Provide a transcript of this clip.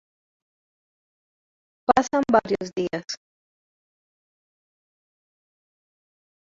Pasan varios días.